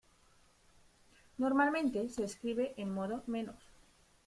Normalmente se escribe en modo menor.